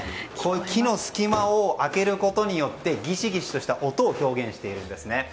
木の隙間を開けることによってギシギシとした音を表現しているんですね。